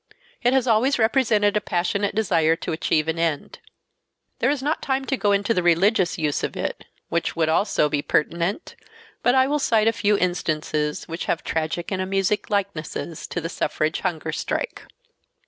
It has always represented a passionate desire to achieve an end. There is not time to go into the religious use of it, which would also be pertinent, but I will cite a few instances which have tragic and amusing likenesses to the suffrage hunger strike.